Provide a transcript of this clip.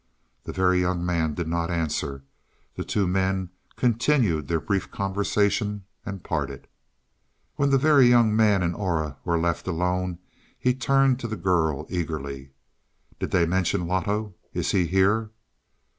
The Very Young Man did not answer; the two men continued their brief conversation and parted. When the Very Young Man and Aura were left alone, he turned to the girl eagerly. "Did they mention Loto? Is he here?"